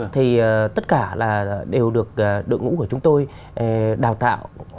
thì tất cả là đều được đội ngũ của chúng tôi đào tạo